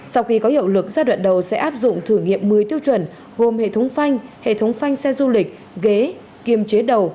sau khi có hiệu lực giai đoạn đầu sẽ áp dụng thử nghiệm một mươi tiêu chuẩn gồm hệ thống phanh hệ thống phanh xe du lịch ghế kiềm chế đầu